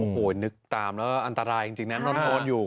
โอ้โหนึกตามแล้วอันตรายจริงนะนอนอยู่